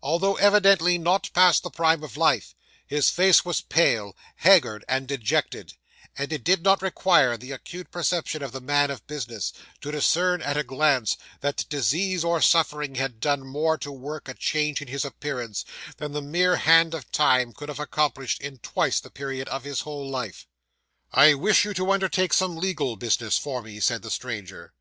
Although evidently not past the prime of life, his face was pale, haggard, and dejected; and it did not require the acute perception of the man of business, to discern at a glance, that disease or suffering had done more to work a change in his appearance, than the mere hand of time could have accomplished in twice the period of his whole life. '"I wish you to undertake some legal business for me," said the stranger.